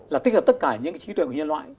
là tích hợp tất cả những cái trí tuệ của nhân loại